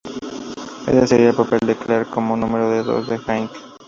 Ese sería el papel de Clark como número dos de Haig.